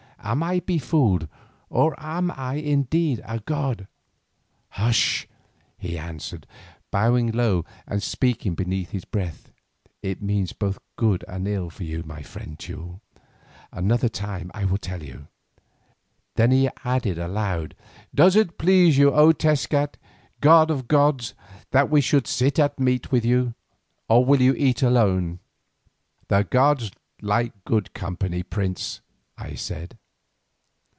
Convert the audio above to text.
"Am I befooled, or am I indeed a god?" "Hush!" he answered, bowing low and speaking beneath his breath. "It means both good and ill for you, my friend Teule. Another time I will tell you." Then he added aloud, "Does it please you, O Tezcat, god of gods, that we should sit at meat with you, or will you eat alone?" "The gods like good company, prince," I said.